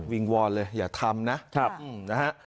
วิ่งวอลเลยอย่าทำนะครับอืมนะฮะ